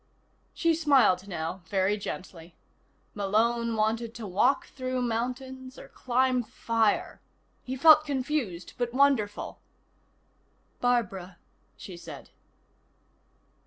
She smiled now, very gently. Malone wanted to walk through mountains, or climb fire. He felt confused, but wonderful. "Barbara," she said.